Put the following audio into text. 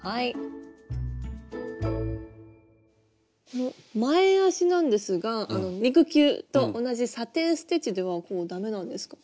この前足なんですが肉球と同じサテン・ステッチではダメなんですか？